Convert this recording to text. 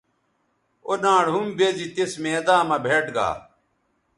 او ناڑ ھم بیزی تس میداں مہ بھیٹ گا